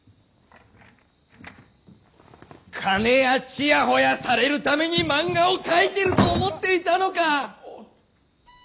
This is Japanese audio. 金やちやほやされるためにマンガを描いてると思っていたのかァーッ！！